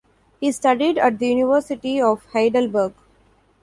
He studied at the University of Heidelberg.